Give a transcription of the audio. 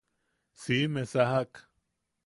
Siʼime sajak.